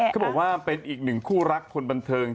เขาบอกว่าเป็นอีกหนึ่งคู่รักคนบันเทิง